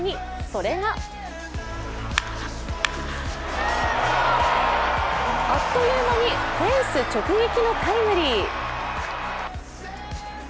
それがあっという間にフェンス直撃のタイムリー。